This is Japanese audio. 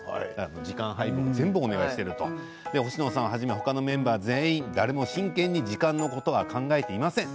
時間配分を全部お願いしていると星野さんはじめ他のメンバー全員誰も真剣に時間のことは考えていません。